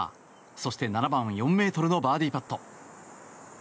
そして７番４ｍのバーディーパット。